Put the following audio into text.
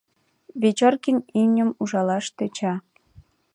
Вечоркин имньым ужалаш тӧча.